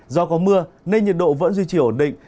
do có mưa nên nhiệt độ vẫn duy trì ổn định